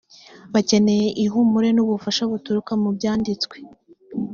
bakeneye ihumure n ubufasha buturuka mu byanditswe